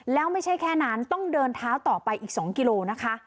แล้วไม่ใช่แค่นั้นต้องเดินเท้าต่อไปอีก๒กิโลนะคะ